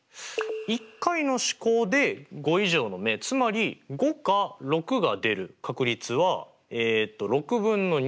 １回の試行で５以上の目つまり５か６が出る確率はえっと６分の２。